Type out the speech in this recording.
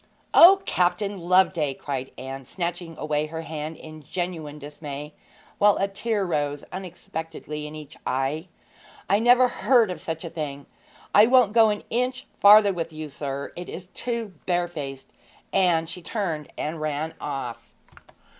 'O, Captain Loveday!' cried Anne, snatching away her hand in genuine dismay, while a tear rose unexpectedly to each eye. 'I never heard of such a thing! I won't go an inch further with you, sir; it is too barefaced!' And she turned and ran off.